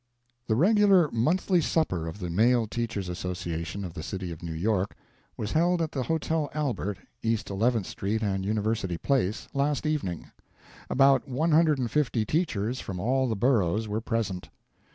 The regular monthly supper of the Male Teachers' Association of the City of New York was held at the Hotel Albert, East Eleventh Street and University Place, last evening. About 150 teachers from all the boroughs were present.